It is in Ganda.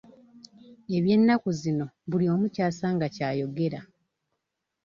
Eby'ennaku zino buli omu ky'asanga ky'ayogera.